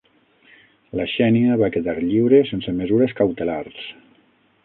La Xènia va quedar lliure sense mesures cautelars